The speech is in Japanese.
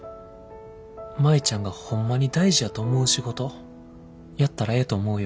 舞ちゃんがホンマに大事やと思う仕事やったらええと思うよ。